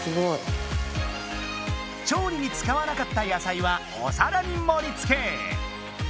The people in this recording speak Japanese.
調理につかわなかった野菜はおさらにもりつけ！